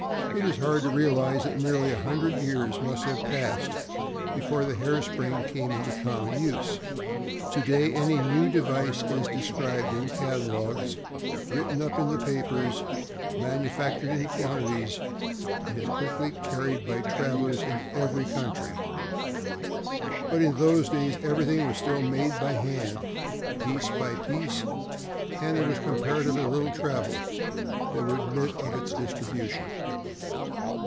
It is hard to realize that nearly a hundred years must have passed by before the hair spring came into common use. To day any new device is described in catalogs, written up in the papers, manufactured in quantities and is quickly carried by travelers into every country, but in those days everything was still made by hand, piece by piece, and there was comparatively little travel that would admit of its distribution.